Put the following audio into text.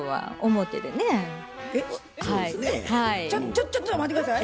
ちょちょっと待って下さい。